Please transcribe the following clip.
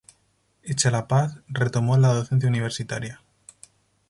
Hecha la paz, retomó la docencia universitaria.